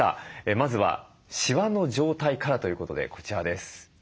まずはしわの状態からということでこちらです。